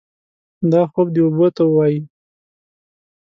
دا خوب دې اوبو ته ووايي.